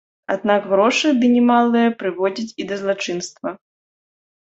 Аднак грошы, ды немалыя, прыводзяць і да злачынства.